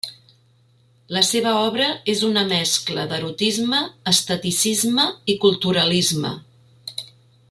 La seva obra és una mescla d'erotisme, esteticisme i culturalisme.